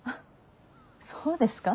そうですか？